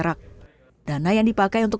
saya akan masuk ke pabrik